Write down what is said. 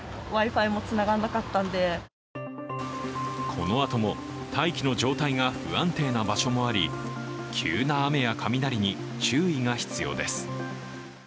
このあとも、大気の状態が不安定な場所もあり急な雨や雷に注意が必要です。